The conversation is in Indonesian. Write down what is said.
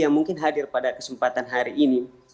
yang mungkin hadir pada kesempatan hari ini